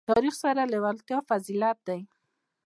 تاریخ سره لېوالتیا فضیلت ده.